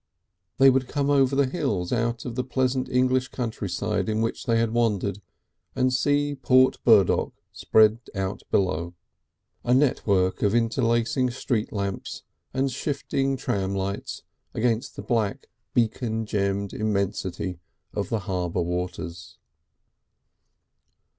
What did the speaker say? They would come over the hills out of the pleasant English country side in which they had wandered, and see Port Burdock spread out below, a network of interlacing street lamps and shifting tram lights against the black, beacon gemmed immensity of the harbour waters.